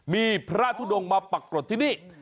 มีพระทุดงมาปรากฏที่นี่